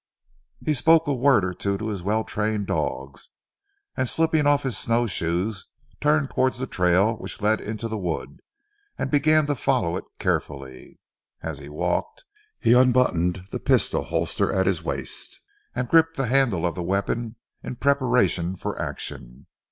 He spoke a word or two to his well trained dogs, and slipping off his snowshoes turned towards the trail which led into the wood, and began to follow it carefully. As he walked, he unbuttoned the pistol holster at his waist, and gripped the handle of the weapon in preparation for action.